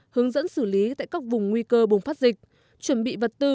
hướng dẫn xử lý tại các vùng nguy cơ bùng phát dịch chuẩn bị vật tư